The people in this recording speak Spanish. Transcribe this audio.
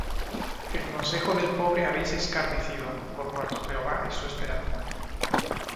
El consejo del pobre habéis escarnecido, Por cuanto Jehová es su esperanza.